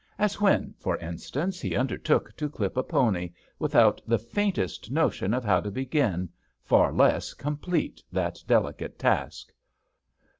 As when, for instance, he undertook to clip a pony, without the faintest notion of how to begin, far less complete that delicate task.